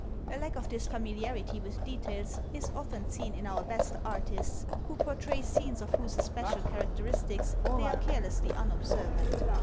A lack of this familiarity with details is often seen in our best artists who portray scenes of whose especial characteristics they are carelessly unobservant.